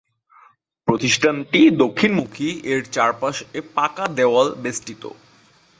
প্রতিষ্ঠানটি দক্ষিণমুখী, এর চারপাশে পাকা দেওয়াল বেষ্টিত।